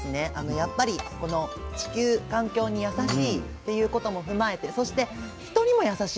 やっぱりこの地球環境に優しいっていうことも踏まえてそして人にも優しいなと思いました。